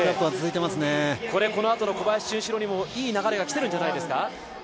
これ、このあとの小林潤志郎にもいい流れがきているんじゃないですか？